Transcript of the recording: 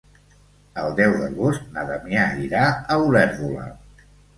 El deu d'agost na Damià irà a Olèrdola.